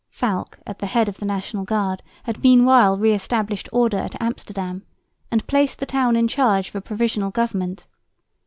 Falck at the head of the National Guard had meanwhile re established order at Amsterdam, and placed the town in charge of a provisional government.